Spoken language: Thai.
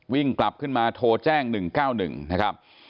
วิ่งกลับขึ้นมาโทรแจ้ง๑๙๑นะครับ